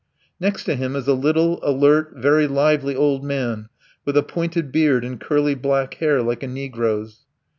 Next to him is a little, alert, very lively old man, with a pointed beard and curly black hair like a negro's.